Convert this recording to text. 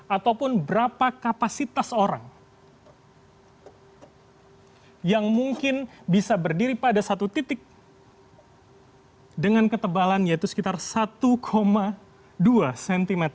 ataupun berapa kapasitas orang yang mungkin bisa berdiri pada satu titik dengan ketebalan yaitu sekitar satu dua cm